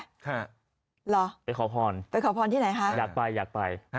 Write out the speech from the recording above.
ถูกไหมค่ะหรอไปขอพรไปขอพรที่ไหนฮะอยากไปอยากไปฮะ